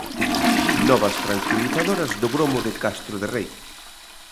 Novas tranquilizadoras do gromo de Castro de Rei.